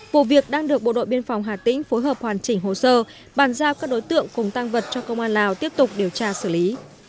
vụ việc đang được bộ đội biên phòng hà tĩnh phối hợp hoàn chỉnh hồ sơ bàn giao các đối tượng cùng tăng vật cho công an lào tiếp tục điều tra xử lý